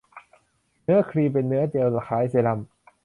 เนื้อครีมเป็นเนื้อเจลคล้ายเซรั่ม